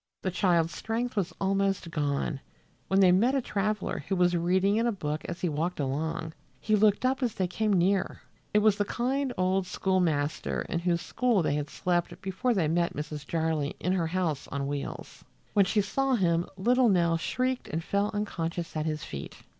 The child's strength was almost gone, when they met a traveler who was reading in a book as he walked along. He looked up as they came near. It was the kind old schoolmaster in whose school they had slept before they met Mrs. Jarley in her house on wheels. When she saw him little Nell shrieked and fell unconscious at his feet.